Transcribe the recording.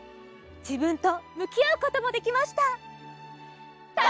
じぶんとむきあうこともできました。